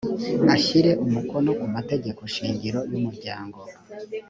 ashyire umukono ku mategeko shingiro y’umuryango